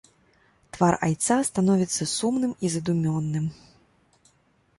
Твар айца становіцца сумным і задумёным.